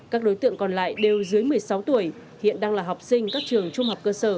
các đối tượng còn lại đều dưới một mươi sáu tuổi hiện đang là học sinh các trường trung học cơ sở